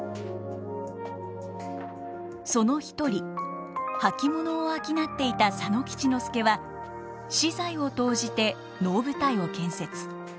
その一人履物を商っていた佐野吉之助は私財を投じて能舞台を建設。